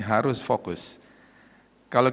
harus fokus kalau